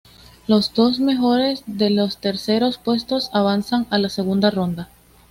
Los dos mejores de los terceros puestos avanzan a la segunda ronda.